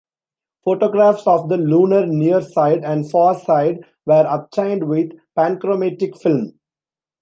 Photographs of the lunar near side and far side were obtained with panchromatic film.